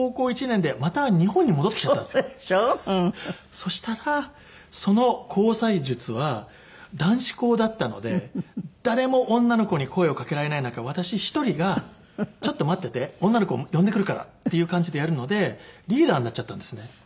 そしたらその交際術は男子校だったので誰も女の子に声を掛けられない中私１人がちょっと待ってて女の子呼んでくるからっていう感じでやるのでリーダーになっちゃったんですね。